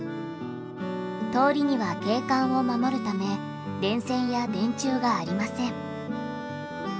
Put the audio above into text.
通りには景観を守るため電線や電柱がありません。